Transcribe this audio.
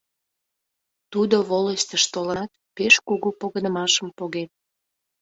Тудо волостьыш толынат, пеш кугу погынымашым поген.